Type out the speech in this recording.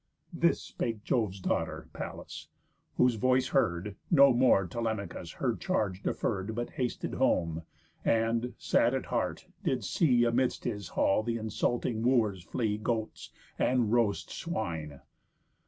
This spake Jove's daughter, Pallas; whose voice heard, No more Telemachus her charge deferr'd, But hasted home, and, sad at heart, did see Amidst his hall th' insulting Wooers flea Goats, and roast swine.